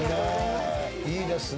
いいですね。